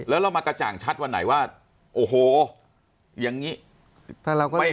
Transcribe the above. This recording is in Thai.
แล้วเรามากระจ่างชัดวันไหนว่าโอ้โหอย่างนี้